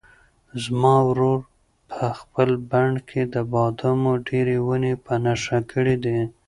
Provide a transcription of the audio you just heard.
زما ورور په خپل بڼ کې د بادامو ډېرې ونې په نښه کړې دي.